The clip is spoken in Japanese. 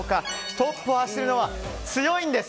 トップを走るのは強いんです！